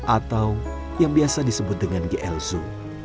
atau yang biasa disebut dengan gl zoo